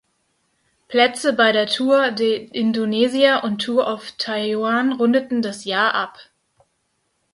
Plätze bei der Tour d’Indonesia und Tour of Taiyuan rundeten das Jahr ab.